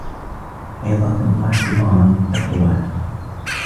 عِظَةً وَاعْتِبَارًا تَقْوَى